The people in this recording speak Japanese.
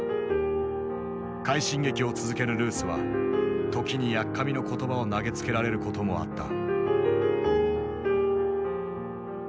快進撃を続けるルースは時にやっかみの言葉を投げつけられることもあった。